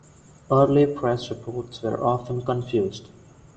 Early press reports were often confused.